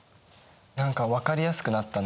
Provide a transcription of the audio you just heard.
何か分かりやすくなったね。